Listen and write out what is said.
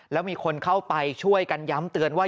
แล้วมีคนเข้าไปช่วยกันย้ำเตือนว่า